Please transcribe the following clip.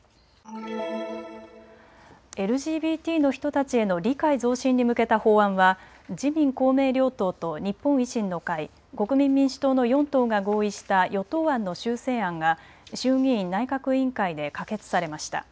ＬＧＢＴの人たちへの理解増進に向けた法案は自民公明両党と日本維新の会、国民民主党の４党が合意した与党案の修正案が衆議院内閣委員会で可決されました。